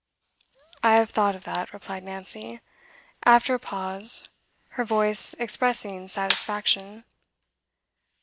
'I have thought of that,' replied Nancy, after a pause, her voice expressing satisfaction.